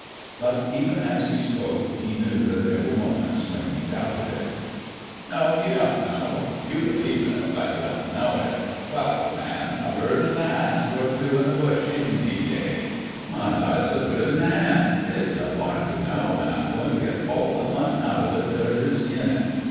But even as he spoke he knew that there were moments when he doubted it. "No; you don't know it. You believe it, but you don't know it. Well, old man, a bird in the hand's worth two in the bush, any day. My life's a bird in the hand it's a lark, you know and I'm going to get all the fun out of it there is in it.